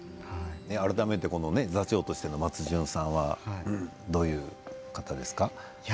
改めて座長としての松潤さんはどういう方ですか？